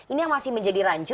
ini yang masih menjadi rancu